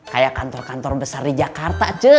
kayak kantor kantor besar di jakarta